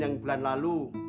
yang bulan lalu